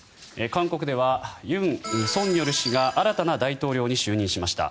韓国では尹錫悦氏が新たな大統領に就任しました。